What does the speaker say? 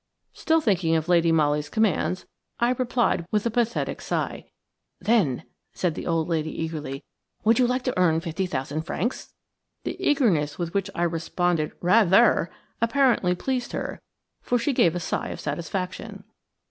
Still thinking of Lady Molly's commands, I replied with a pathetic sigh. "Then," said the old lady, eagerly, "would you like to earn fifty thousand francs?" The eagerness with which I responded "Rather!" apparently pleased her, for she gave a sigh of satisfaction.